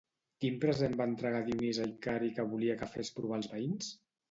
Quin present va entregar Dionís a Icari que volia que fes provar als veïns?